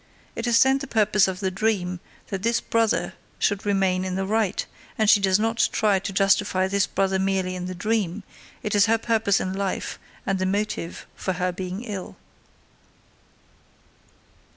It is then the purpose of the dream that this brother should remain in the right; and she does not try to justify this brother merely in the dream; it is her purpose in life and the motive for her being ill.